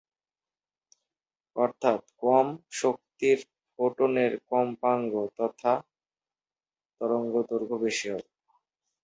অর্থাৎ, কম শক্তির ফোটনের কম্পাঙ্ক কম তথা তরঙ্গ দৈর্ঘ্য বেশি হবে।